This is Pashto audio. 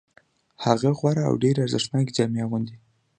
هغه غوره او ډېرې ارزښتناکې جامې اغوندي